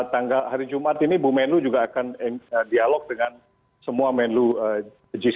tanggal hari jumat ini bu menlu juga akan dialog dengan semua menlu g dua puluh